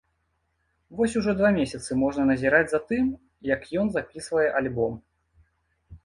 Вось ужо два месяцы можна назіраць за тым, як ён запісвае альбом.